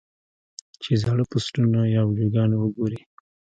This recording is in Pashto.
چې زاړۀ پوسټونه يا ويډيوګانې اوګوري -